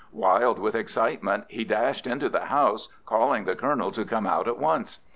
Wild with excitement, he dashed into the house, calling the colonel to come out at once.